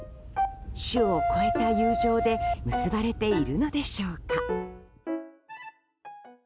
種を超えた友情で結ばれているのでしょうか。